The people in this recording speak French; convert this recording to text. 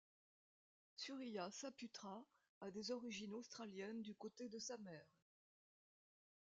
Surya Saputra a des origines australiennes du côté de sa mère.